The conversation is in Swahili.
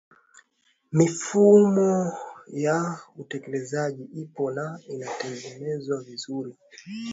mifumo ya utekelezaji ipo na inategemezwa vizuri